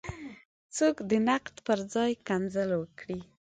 څوک دې د نقد پر ځای کنځل وکړي.